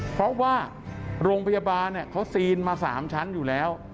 เพราะว่าโรงพยาบาลเขาซีนมา๓ชั้นอยู่แล้ว